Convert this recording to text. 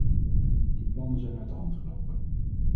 Die plannen zijn uit de hand gelopen.